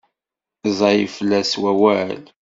Ẓẓay fell-as wawal?